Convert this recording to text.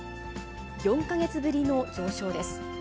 ４か月ぶりの上昇です。